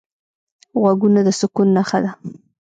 غوږونه د سکون نښه ده